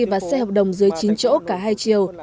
và xe hợp đồng dưới chín chỗ cả hai chiều